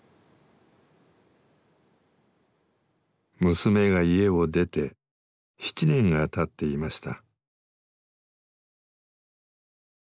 娘が家を出て７年がたっていました。